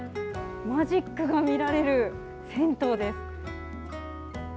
マジックが見られる銭湯です。